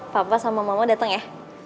papa sama mama datang ya